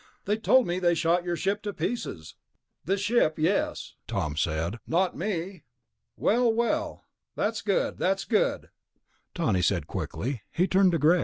"They told me they shot your ship to pieces...." "The ship, yes," Tom said. "Not me." "Well ... well, that's good, that's good," Tawney said quickly. He turned to Greg.